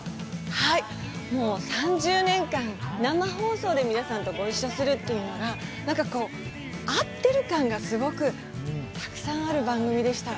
もう３０年間、生放送で皆さんとご一緒するというのがなんか、合ってる感がすごくたくさんある番組でした。